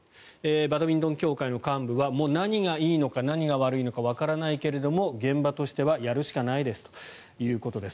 バドミントン協会の幹部はもう何がいいのか悪いのかわからないけれども現場としてはやるしかないですということです。